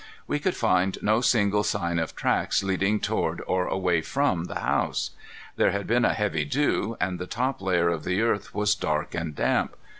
We could find no single sign of tracks leading toward or away from the house. There had been a heavy dew, and the top layer of the earth was dark and damp.